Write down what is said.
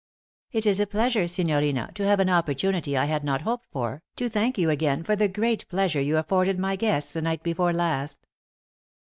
"It is a pleasure, signorina, to have an opportunity I had not hoped for, to thank you again for the great pleasure you afforded my guests the night before last."